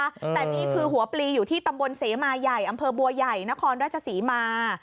แต่นี่คือหัวปลีอยู่ที่ตำบลเสมาใหญ่อำเภอบัวใหญ่นครราชศรีมา